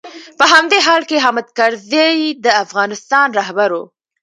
په همدې حال کې حامد کرزی د افغانستان رهبر و.